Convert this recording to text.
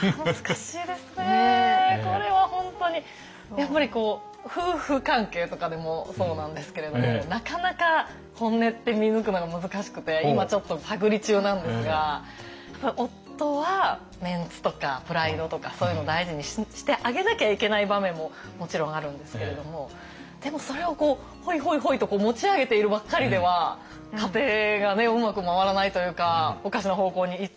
やっぱり夫婦関係とかでもそうなんですけれどもなかなか本音って見抜くのが難しくて今ちょっと探り中なんですが夫はメンツとかプライドとかそういうの大事にしてあげなきゃいけない場面ももちろんあるんですけれどもでもそれをホイホイホイと持ち上げているばっかりでは家庭がうまく回らないというかおかしな方向に行っちゃう。